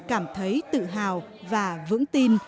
cảm thấy tự hào và vững tin